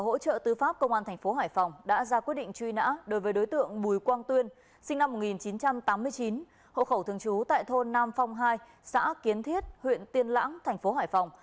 hộ khẩu thường chú tại thôn nam phong hai xã kiến thiết huyện tiên lãng thành phố hải phòng